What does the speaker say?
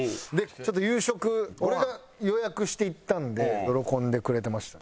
ちょっと夕食俺が予約して行ったので喜んでくれてましたね。